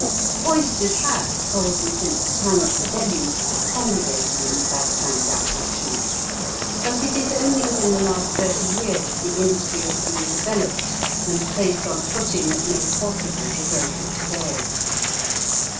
Oysters have, probably since the time of the Deluge, congregated in the Basin d'Arcachon; but it is only within the last thirty years the industry has been developed and placed on a footing that made possible the growth of today.